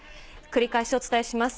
繰り返しお伝えします。